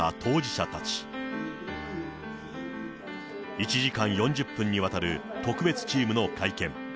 １時間４０分にわたる特別チームの会見。